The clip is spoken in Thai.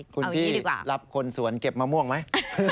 เอาอย่างนี้ดีกว่าคุณพี่รับคนสวนเก็บมะม่วงไหม